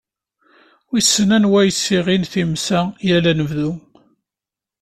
Wissen anwa yessiɣin times-a yal anebdu!